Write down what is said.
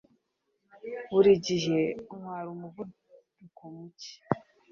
Buri gihe ntwara umuvuduko muke.